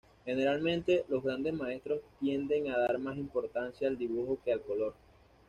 Generalmente, los grandes maestros tienden a dar más importancia al dibujo que al color.